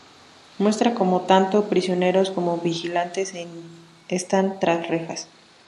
Muestra cómo tanto prisioneros como vigilantes están tras rejas.